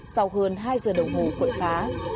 sau hơn hai giờ đồng hồ cuội phá